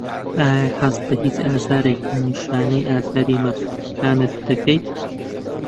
ئایا هەست بە هیچ ئازارێک یان نیشانەی ئازاری ماسوولکەکانت دەکەیت؟